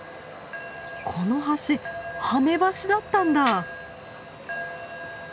この橋跳ね橋だったんだ！